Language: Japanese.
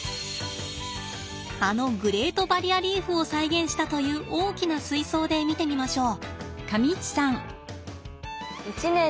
あのグレートバリアリーフを再現したという大きな水槽で見てみましょう。